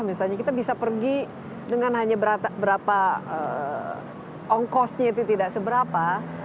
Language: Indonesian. misalnya kita bisa pergi dengan hanya berapa ongkosnya itu tidak seberapa